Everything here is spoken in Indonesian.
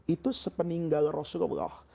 itu sepeninggal rasulullah